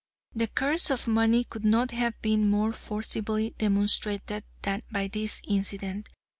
The curse of money could not have been more forcibly demonstrated than by this incident.